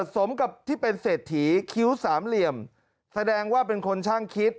สมกับที่เป็นเศรษฐีคิ้วสามเหลี่ยมแสดงว่าเป็นคนช่างคิด